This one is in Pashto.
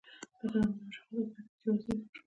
د خدماتو مشخصات باید په کې واضح وي.